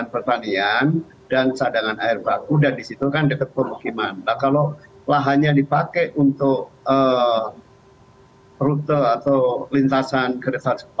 terima kasih terima kasih